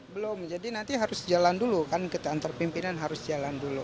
belum jadi nanti harus jalan dulu kan kita antar pimpinan harus jalan dulu